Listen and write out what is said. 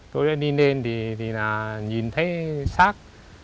tôi đi lên thì là nhìn thấy sát